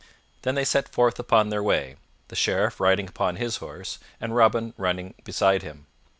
Then they set forth upon their way, the Sheriff riding upon his horse and Robin running beside him.